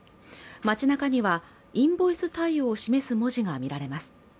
街なかには、インボイス対応を示す文字が見られます。